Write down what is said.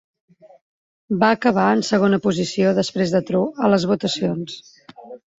Va acabar en segona posició després de Trout a les votacions.